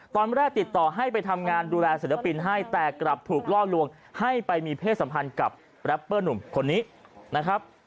ตอนแรกติดต่อให้ไปทำงานดูแลศิลปินให้แต่กลับถูกล่อลวงให้ไปมีเพศสัมพันธ์กับแรปเปอร์หนุ่มคนนี้นะครับ